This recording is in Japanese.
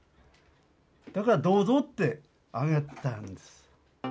だからどうぞって上げたんです。